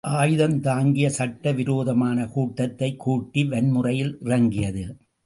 ஆயுதம் தாங்கிய சட்ட விரோதமான கூட்டத்தைக் கூட்டி வன்முறையில் இறங்கியது.